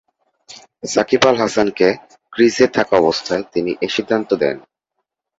সাকিব আল হাসানকে ক্রিজে থাকা অবস্থায় তিনি এ সিদ্ধান্ত দেন।